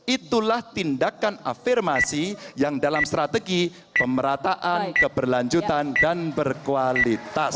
itulah tindakan afirmasi yang dalam strategi pemerataan keberlanjutan dan berkualitas